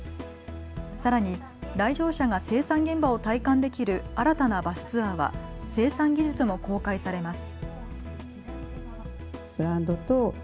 さらに来場者が生産現場を体感できる新たなバスツアーは生産技術も公開されます。